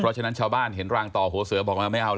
เพราะฉะนั้นชาวบ้านเห็นรางต่อหัวเสือบอกว่าไม่เอา